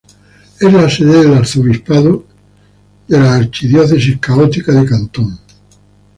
Es la sede del arzobispo de la archidiócesis católica de Cantón.